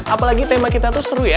apalagi tema kita tuh seru ya